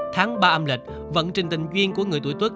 tháng ba âm lịch vận trình tình duyên của người tuổi tốt